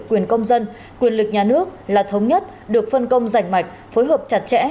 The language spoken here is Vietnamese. quyền công dân quyền lực nhà nước là thống nhất được phân công rảnh mạch phối hợp chặt chẽ